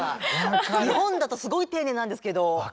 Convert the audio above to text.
日本だとすごい丁寧なんですけど。